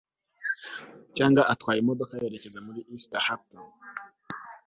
cyangwa atwaye imodoka yerekeza muri east hampton